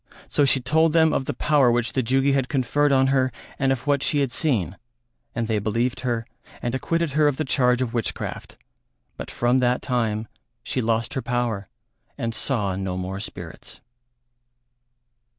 So she told them of the power which the Jugi had conferred on her and of what she had seen, and they believed her and acquitted her of the charge of witchcraft; but from that time she lost her power and saw no more spirits.